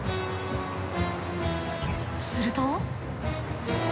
すると。